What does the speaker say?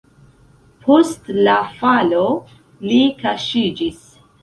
Post la falo li kaŝiĝis.